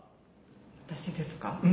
私ですか？